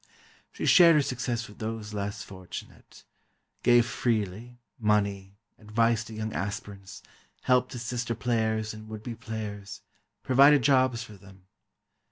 She shared her success with those less fortunate—gave freely, money, advice to young aspirants, help to sister players and would be players—provided jobs for them.